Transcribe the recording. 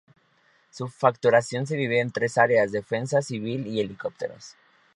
Su facturación se divide en tres áreas, Defensa, Civil y Helicópteros.